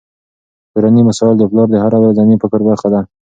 کورني مسایل د پلار د هره ورځني فکر برخه ده.